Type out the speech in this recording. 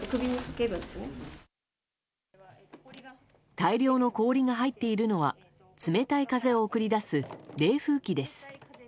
大量の氷が入っているのは冷たい風を送り出す冷風機です。